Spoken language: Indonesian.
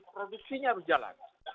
produksinya harus jalan